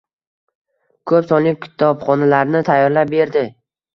Koʻp sonli kitobxonlarni tayyorlab berdi.